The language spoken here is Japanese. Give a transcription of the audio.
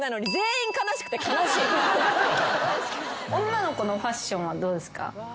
女の子のファッションはどうですか？